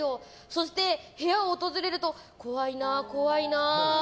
そして、部屋を訪れると怖いな、怖いな。